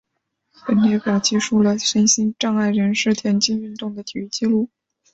本列表记述了身心障碍人士田径运动的体育纪录。